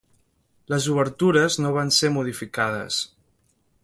Les obertures no van ser modificades.